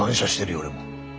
俺も。